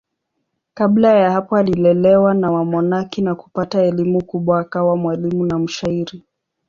Kabla ya hapo alilelewa na wamonaki na kupata elimu kubwa akawa mwalimu na mshairi.